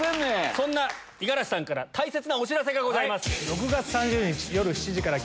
そんな五十嵐さんから大切なお知らせがございます。